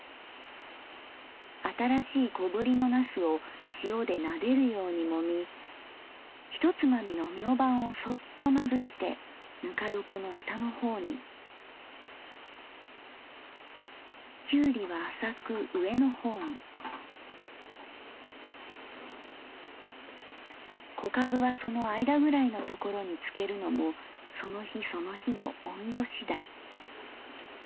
新しいこぶりの茄子を塩で撫でるように揉みひとつまみのみょうばんをそっとまぶしてぬか床の下の方にきゅうりは浅く上の方に小かぶはその間ぐらいのところに漬けるのもその日その日の温度次第」。